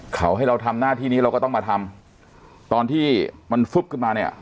เขาให้เราทำหน้าที่นี้เราก็ต้องมาทำตอนที่มันฟึ๊บขึ้นมาเนี่ย